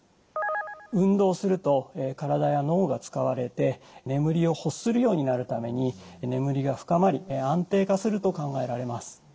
運動すると体や脳が使われて眠りを欲するようになるために眠りが深まり安定化すると考えられます。